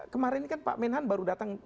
kemarin kan pak menhan baru datang